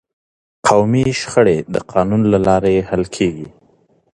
قومي شخړې د قانون له لارې حل کیږي.